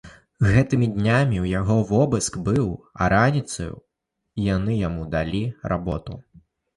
Гэтымі днямі ў яго вобыск быў, а раніцаю яны яму далі работу.